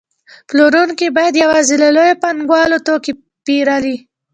پلورونکي باید یوازې له لویو پانګوالو توکي پېرلی